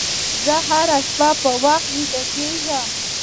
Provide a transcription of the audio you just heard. زه هره شپه په وخت ویده کېږم.